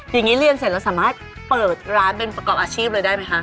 อย่างนี้เรียนเสร็จเราสามารถเปิดร้านเป็นประกอบอาชีพเลยได้ไหมคะ